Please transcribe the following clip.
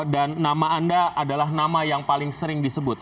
dan nama anda adalah nama yang paling sering disebut